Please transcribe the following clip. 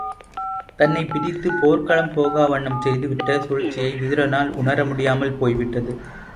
தன்னைப் பிரித்துப் போர்க்களம் போகா வண்ணம் செய்துவிட்ட சூழ்ச்சியை விதுரனால் உணர முடியாமல் போய்விட்டது.